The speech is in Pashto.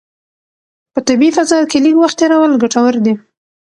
په طبیعي فضا کې لږ وخت تېرول ګټور دي.